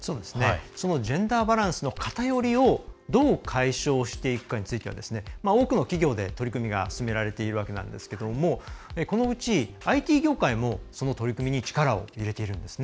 そのジェンダーバランスの偏りをどう解消していくかについては多くの企業で取り組みが進められているわけなんですけれどもこのうちＩＴ業界もその取り組みに力を入れているんですね。